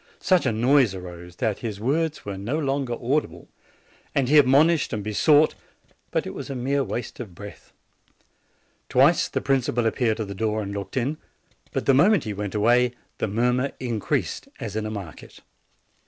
Such a noise arose, that his words were no longer audible, and he admonished and besought; but it was a mere waste of breath. Twice the principal appeared at the door and looked in ; but the moment he went away the mur mur increased as in a market.